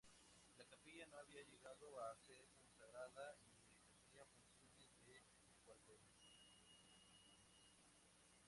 La capilla no había llegado a ser consagrada y ejercía funciones de cuartel.